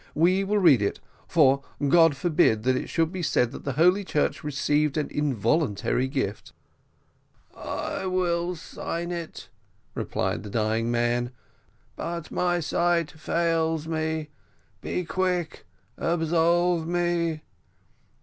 We will read it, for God forbid that it should be said that the holy church received an involuntary gift." "I will sign it," replied the dying man; "but my sight fails me; be quick, absolve me."